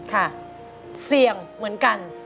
ค่ะเสี่ยงเหมือนกัน